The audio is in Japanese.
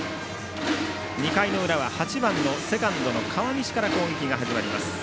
２回の裏は８番のセカンドの川西から攻撃が始まります。